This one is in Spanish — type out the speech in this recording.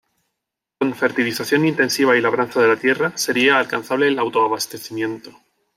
Con fertilización intensiva y labranza de la tierra, sería alcanzable el auto-abastecimiento.